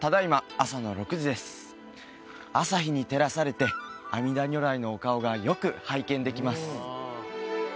朝日に照らされて阿弥陀如来のお顔がよく拝見できます